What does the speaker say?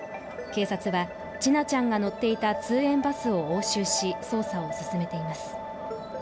警察は、千奈ちゃんが乗っていた通園バスを押収し捜査を進めています。